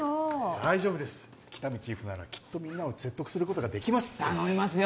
大丈夫です喜多見チーフならきっとみんなを説得することができますって頼みますよ